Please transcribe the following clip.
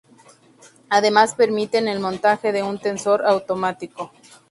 Además permiten el montaje de un tensor automático.